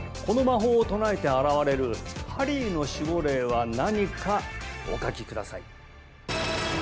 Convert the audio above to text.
この魔法を唱えて現れるハリーの守護霊は何かお書きください